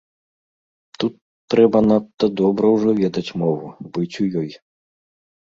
Тут трэба надта добра ўжо ведаць мову, быць у ёй.